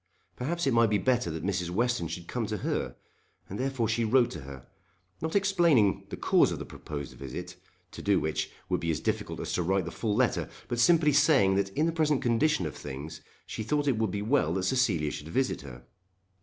Perhaps it might be better that Mrs. Western should come to her; and therefore she wrote to her, not explaining the cause of the proposed visit, to do which would be as difficult as to write the full letter, but simply saying that in the present condition of things she thought it would be well that Cecilia should visit her.